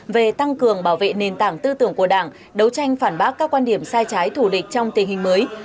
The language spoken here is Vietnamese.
về tăng cường bảo vệ nền tảng tư tưởng của đảng đấu tranh phản bác các quan điểm sai trái thủ địch trong tình hình mới